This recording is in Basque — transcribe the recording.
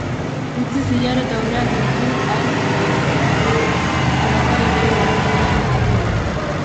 Utzi zilar eta urreak ditu hark beharko, harrapa Herio nahian etorri orduko.